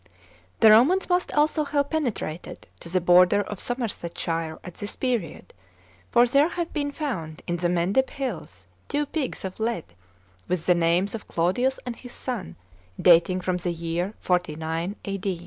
The Romans must also have penetrated to the border of Somersetshire at this period; lor there have been found in the Mendip Hills two pigs of lead, with the names of Claudius and his son, dating from the year 49 A.